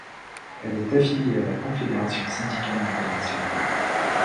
Elle est affilliée à la Confédération syndicale internationale.